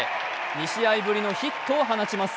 ２試合ぶりのヒットを放ちます。